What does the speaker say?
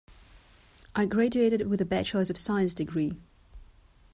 I graduated with a bachelors of science degree.